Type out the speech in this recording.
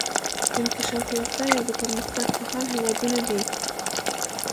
انکشاف یافته یا د پرمختګ په حال هیوادونه دي.